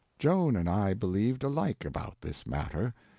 Joan and I believed alike about this matter.